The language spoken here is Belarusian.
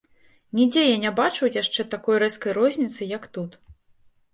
Нідзе я не бачыў яшчэ такой рэзкай розніцы, як тут.